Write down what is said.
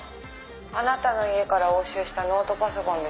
「あなたの家から押収したノートパソコンです」